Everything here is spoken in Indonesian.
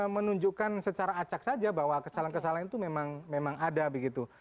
menunjukkan secara acak saja bahwa kesalahan kesalahan itu memang ada begitu